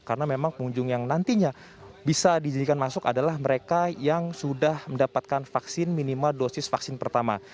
karena memang pengunjung yang nantinya bisa dijadikan masuk adalah mereka yang sudah mendapatkan vaksin minima dosis vaksin pertama